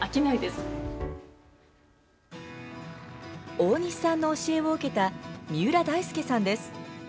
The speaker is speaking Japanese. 大西さんの教えを受けた三浦大介さんです。